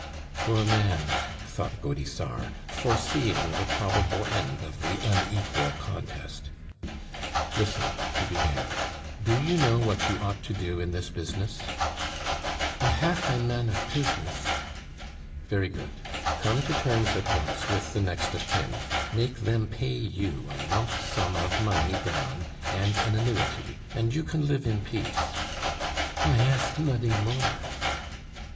"Poor man!" thought Gaudissart, foreseeing the probable end of the unequal contest. "Listen," he began, "do you know what you ought to do in this business?" "I haf ein mann of pizness!" "Very good, come to terms at once with the next of kin; make them pay you a lump sum of money down and an annuity, and you can live in peace " "I ask noding more."